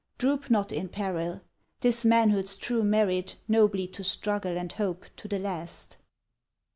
Droop not in peril! 'T is manhood's true merit Nobly to struggle and hope to the last.